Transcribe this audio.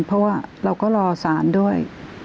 เพราะว่าเราก็รอสารด้วย